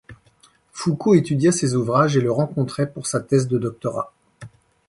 Foucault étudia ses ouvrages et le rencontrait pour sa thèse de doctorat.